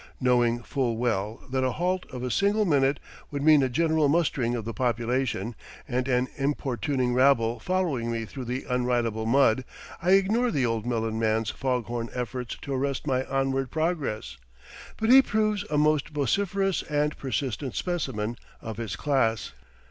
Knowing full well that a halt of a single minute would mean a general mustering of the population, and an importuning rabble following me through the unridable mud, I ignore the old melon man's foghorn efforts to arrest my onward progress; but he proves a most vociferous and persistent specimen of his class.